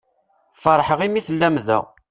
Ferḥeɣ imi tellam da.